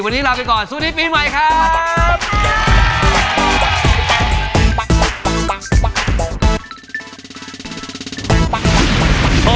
วันนี้ลาไปก่อนสวัสดีปีใหม่ครับ